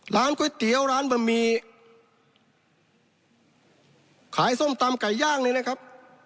ร้านก๋วยเตี๋ยวร้านบะหมี่ขายส้มตำไก่ย่างเลยนะครับ